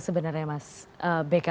sebenarnya mas beka